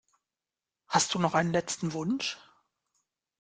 Hast du noch einen letzten Wunsch?